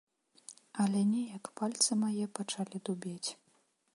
Але неяк пальцы мае пачалі дубець.